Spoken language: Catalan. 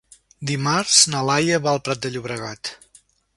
Dimarts na Laia va al Prat de Llobregat.